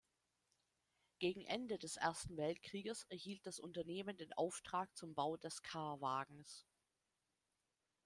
Gegen Ende des Ersten Weltkrieges erhielt das Unternehmen den Auftrag zum Bau des K-Wagens.